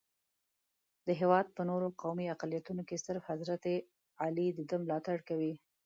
د هېواد په نورو قومي اقلیتونو کې صرف حضرت علي دده ملاتړ کوي.